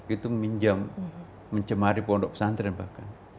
itu minjam mencemari pondok pesantren bahkan